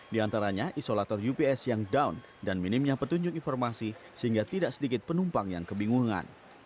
di antaranya isolator ups yang down dan minimnya petunjuk informasi sehingga tidak sedikit penumpang yang kebingungan